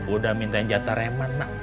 udah minta jantan reman mak